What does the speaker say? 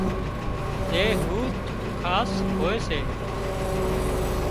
زي هوٿ خاص هوئي سي